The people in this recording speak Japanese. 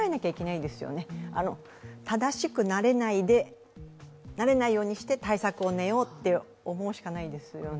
正しく慣れないようにして対策を練ろうと思うしかないですよね。